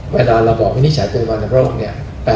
เวลาเราบอกวินิจฉัยตัววันโรคเนี่ย